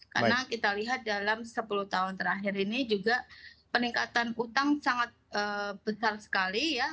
karena kita lihat dalam sepuluh tahun terakhir ini juga peningkatan utang sangat besar sekali ya